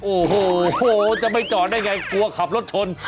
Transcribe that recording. โอ้โฮจะไม่จอดได้อย่างไรกลัวขับรถชน